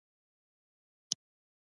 بې پښتوه موږ بې نومه یو.